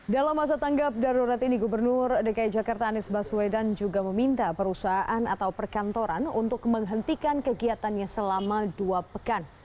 dalam masa tanggap darurat ini gubernur dki jakarta anies baswedan juga meminta perusahaan atau perkantoran untuk menghentikan kegiatannya selama dua pekan